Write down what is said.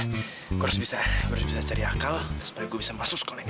gue harus bisa gue harus bisa cari akal supaya gue bisa masuk sekolah ini